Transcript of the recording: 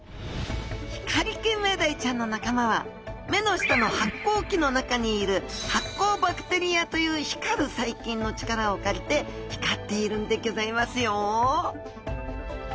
ヒカリキンメダイちゃんの仲間は目の下の発光器の中にいる発光バクテリアという光る細菌の力を借りて光っているんでギョざいますよ！